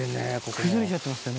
崩れちゃってますね。